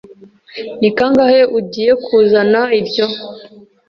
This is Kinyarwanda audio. Ni kangahe ugiye kuzana ibyo?